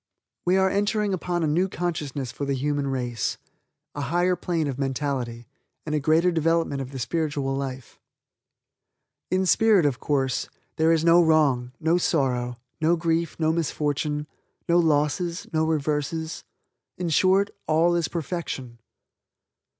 We are entering upon a new consciousness for the human race, a higher plane of mentality, and a greater development of the spiritual life. In spirit, of course, there is no wrong, no sorrow, no grief, no misfortune, no losses, no reverses. In short all is perfection.